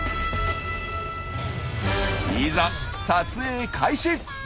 いざ撮影開始！